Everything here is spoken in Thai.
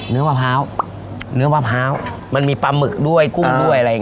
มะพร้าวเนื้อมะพร้าวมันมีปลาหมึกด้วยกุ้งด้วยอะไรอย่างนี้